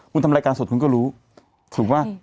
คุณทำรายการสดคุณก็รู้ถูกป่ะ